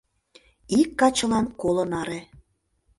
Ик качылан коло наре.